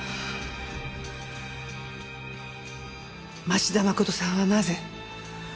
町田誠さんはなぜ？